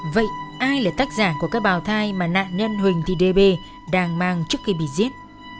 vậy ai là tác giả của các bào thai mà nạn nhân huỳnh thị db đang mang trước khi bị giết